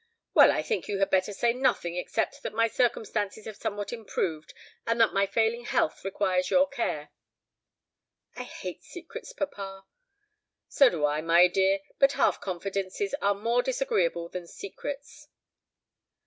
"Well, I think you had better say nothing, except that my circumstances have somewhat improved, and that my failing health requires your care." "I hate secrets, papa." "So do I, my dear; but half confidences are more disagreeable than secrets."